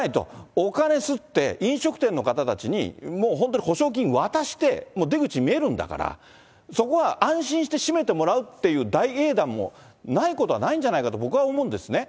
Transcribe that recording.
お金刷って、飲食店の方たちに、もう本当に補償金渡して、もう出口見えるんだから、そこは安心して閉めてもらうっていう大英断も、ないことはないんじゃないかと僕は思うんですね。